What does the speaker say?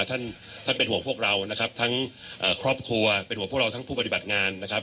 ท่านเป็นหัวพวกเราทั้งครอบครัวเป็นหัวพวกเราทั้งผู้ปฏิบัติงาน